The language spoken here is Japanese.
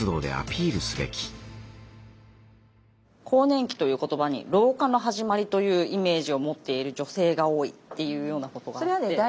更年期という言葉に老化の始まりというイメージを持っている女性が多いっていうようなことがあって。